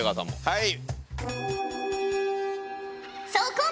はい。